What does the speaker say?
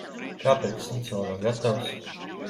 Kāpēc suns vēl nav gatavs?